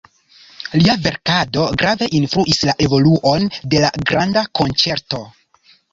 Lia verkado grave influis la evoluon de la granda konĉerto.